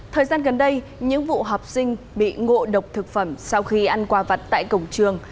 thời gian gần đây những vụ học sinh bị ngộ độc thực phẩm sau khi ăn quà vặt tại cổng trường